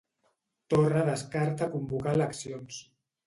Torra descarta convocar eleccions.